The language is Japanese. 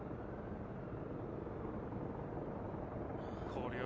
こりゃ